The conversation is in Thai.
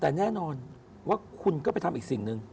แต่แน่นอนว่าคุณก็ไปทำอีกสิ่งหนึ่ง